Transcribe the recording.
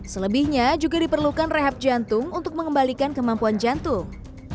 selebihnya juga diperlukan rehab jantung untuk mengembalikan kemampuan jantung